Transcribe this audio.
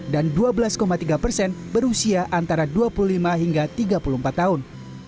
dan dua belas tiga persen berusia antara dua puluh lima hingga tiga puluh empat tahun